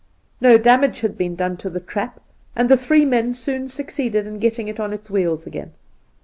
No damage had been done to the trap, and the three men soon succeeded in getting it on its wheels again.